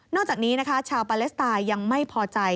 นอกจากนี้ชาวปาเลสไทยยังไม่พอใจ